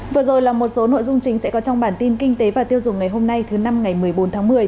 vừa rồi là một số nội dung chính sẽ có trong bản tin kinh tế và tiêu dùng ngày hôm nay thứ năm ngày một mươi bốn tháng một mươi